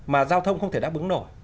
mà giao thông không thể đáp ứng nổi